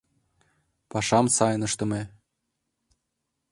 Пашам сайын ыштыме.